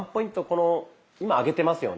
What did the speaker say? この今上げてますよね。